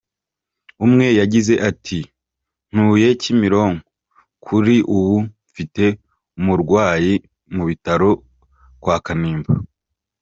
Umwe yagize ati “Ntuye Kimironko, kuri ubu mfite umurwayi mu bitaro kwa Kanimba.